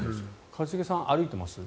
一茂さん、歩いてます？